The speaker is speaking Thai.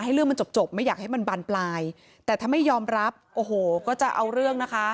เรื่องมันจบจบไม่อยากให้มันบานปลายแต่ถ้าไม่ยอมรับโอ้โหก็จะเอาเรื่องนะคะ